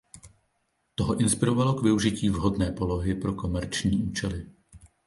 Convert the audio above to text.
To ho inspirovalo k využití vhodné polohy pro komerční účely.